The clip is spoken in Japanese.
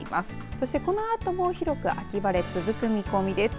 そしてこのあとも広く秋晴れ、続く見込みです。